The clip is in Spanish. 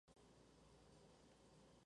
Diem se negó, jurando retomar el control.